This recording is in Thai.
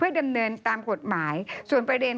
คือต้างท่าแบบสวยเลย